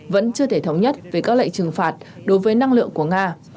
vẫn chưa thể thống nhất về các lệnh trừng phạt đối với năng lượng của nga